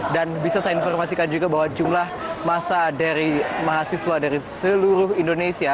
dan bisa saya informasikan juga bahwa jumlah masa dari mahasiswa dari seluruh indonesia